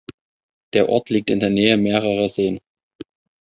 Der Ort liegt in der Nähe mehrerer Seen.